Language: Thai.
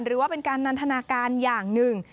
หรือว่าเป็นการนันทนาการอย่างหนึ่ง